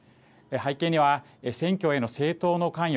背景には選挙への政党の関与。